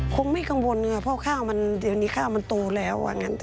คงไม่กังวลค่ะเพราะข้าวมันเดี๋ยวนี้ข้าวมันโตแล้ว